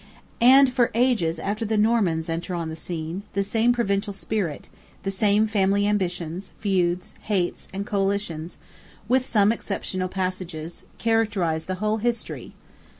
And for ages after the Normans enter on the scene, the same provincialized spirit, the same family ambitions, feuds, hates, and coalitions, with some exceptional passages, characterize the whole history.